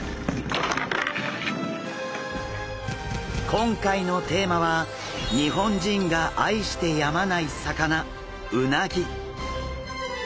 今回のテーマは日本人が愛してやまない魚うなぎ。